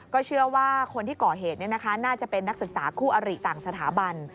เชื่อว่าคนที่ก่อเหตุน่าจะเป็นนักศึกษาคู่อริต่างสถาบัน